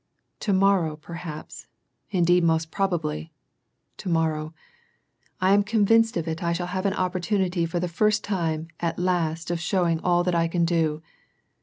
To mor row perhaps, indeed most probably, — to morrow — I am con vinced of it I shall have an opportunity for the first time at last of showing all that I can do."